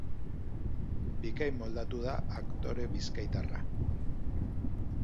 Bikain moldatu da aktore bizkaitarra.